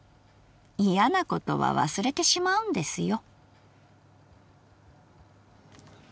嫌なことは忘れてしまうんですよ」。